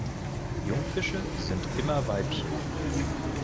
Jungfische sind immer Weibchen.